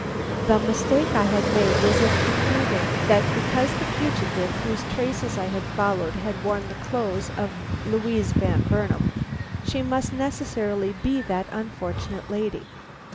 The mistake I had made was in concluding that because the fugitive whose traces I had followed had worn the clothes of Louise Van Burnam, she must necessarily be that unfortunate lady.